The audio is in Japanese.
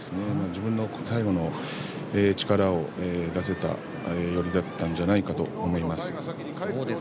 自分の最後の力を出せた寄りだったんじゃないかと思います。